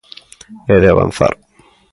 E de avanzar.